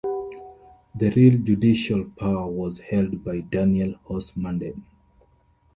The real judicial power was held by Daniel Horsmanden.